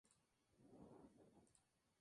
¿vivís?